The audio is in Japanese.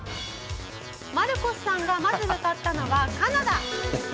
マルコスさんがまず向かったのはカナダ。